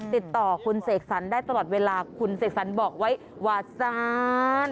ติดต่อคุณเสกสรรได้ตลอดเวลาคุณเสกสรรบอกไว้ว่าสาร